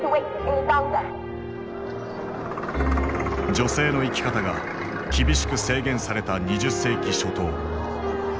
女性の生き方が厳しく制限された２０世紀初頭。